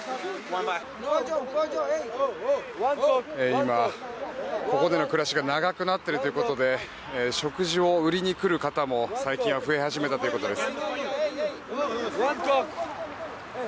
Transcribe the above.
今、ここでの暮らしが長くなっているということで食事を売りに来る方も、最近は増え始めたということです。